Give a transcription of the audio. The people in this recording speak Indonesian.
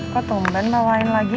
kok tumban bawain lagi